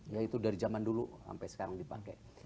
yaitu dari zaman dulu sampai sekarang dipakai